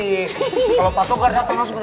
kalau pak tokar satu langsung